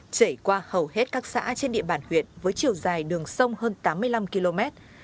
chảy qua hầu hết các xã trên địa bàn huyện với chiều dài đường sông hơn tám mươi năm km